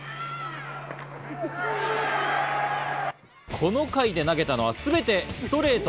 この回で投げたのは全てストレート。